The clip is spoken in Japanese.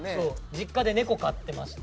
実家で猫飼ってまして。